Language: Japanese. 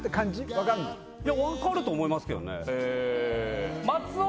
分かると思いますけどね。